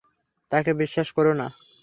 তাকে বিশ্বাস করোনা।